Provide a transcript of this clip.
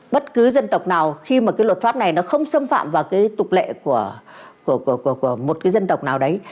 bất cứ dân tộc nào khi mà cái luật pháp này nó không xâm phạm vào cái tục lệ của một cái dân tộc nào đấy